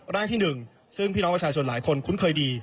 ร่างที่๑ซึ่งพี่น้องประชาชนหลายคนคุ้นเคยดี